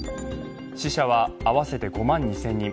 死者は合わせて５万２０００人。